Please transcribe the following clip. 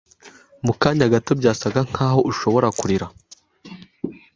Mu kanya gato, byasaga nkaho ashobora kurira.